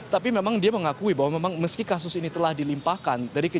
tapi memang dia mengakui bahwa memang meski kasus ini telah dilimpahkan